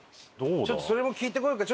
ちょっとそれも聞いてこようか。